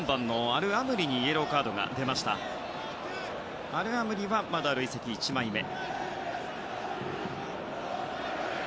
アルアムリは、まだ累積１枚目。